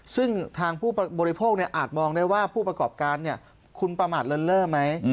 ซึ่งทางผู้บริโภคอาจมองได้ว่าผู้ประกอบการคุณประมาทเลินเล่อไหม